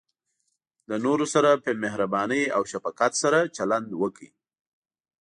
د نورو سره د مهربانۍ او شفقت سره چلند وکړئ.